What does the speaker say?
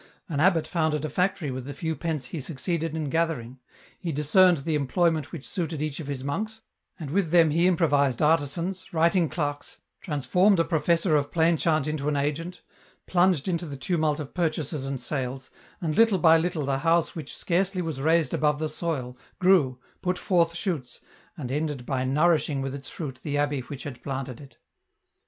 An abbot founded a factory with the few pence he succeeded in gathering ; he discerned the employment which suited each of his monks, and with them he im provised artisans, writing clerks, transformed a professor of plain chant into an agent, plunged into the tumult of purchases and sales, and little by little the house which scarcely was raised above the soil, grew, put forth shoots, and ended by nourishing with its fruit the abbey which had planted it.